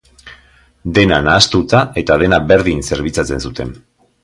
Dena nahastuta eta dena berdin zerbitzatzen zuten.